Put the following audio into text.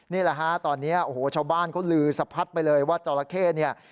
นี่แหละฮะตอนนี้โอ้โหชาวบ้านเขาลือสะพัดไปเลยว่าจราเข้เนี่ย